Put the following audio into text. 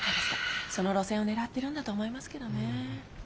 その路線を狙ってるんだと思いますけどね。